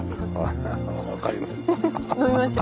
分かりました。